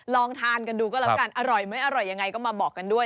ลองทานกันดูก็แล้วกันอร่อยไม่อร่อยยังไงก็มาบอกกันด้วย